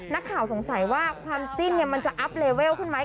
นักข่าวสงสัยว่าความจิ้นมันจะอัพเลเวลขึ้นไหม